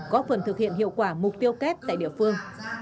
có phần thực hiện hiệu quả mục tiêu kép tại địa phương